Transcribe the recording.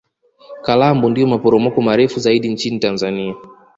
Kalambo ndio maporomoko marefu zaidi nchini tanzania